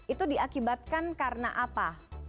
itu diakibatkan karena apa